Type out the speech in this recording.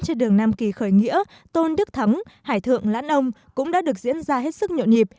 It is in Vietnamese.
trên đường nam kỳ khởi nghĩa tôn đức thắng hải thượng lãn ông cũng đã được diễn ra hết sức nhộn nhịp